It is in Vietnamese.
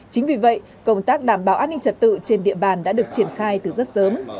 chính vì vậy công tác đảm bảo an ninh trật tự trên địa bàn đã được triển khai từ rất sớm